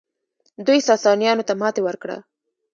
دوی ساسانیانو ته ماتې ورکړه